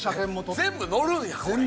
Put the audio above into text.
全部乗るんやこれ。